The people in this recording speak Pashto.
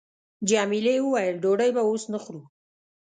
جميلې وويل:، ډوډۍ به اوس نه خورو.